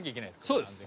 そうです。